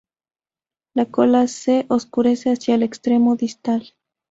La cola se oscurece hacia el extremo distal.